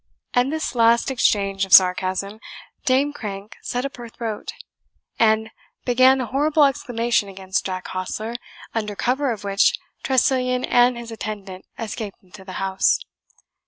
At this last exchange of sarcasm, Dame Crank set up her throat, and began a horrible exclamation against Jack Hostler, under cover of which Tressilian and his attendant escaped into the house.